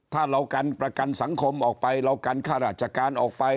ถ้าเรากันประกันสังคมออกไปเรากันข้าราชการออกไป